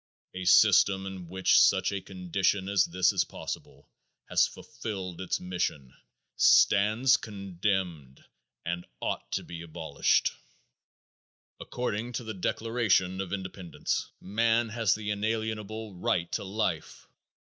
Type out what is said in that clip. A system in which such a condition as this is possible has fulfilled its mission, stands condemned, and ought to be abolished. According to the Declaration of Independence, man has the inalienable right to life.